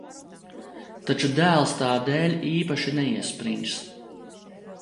Taču dēls tā dēļ īpaši neiesprings.